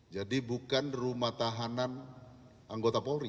jadi bukan rumah tahanan anggota polri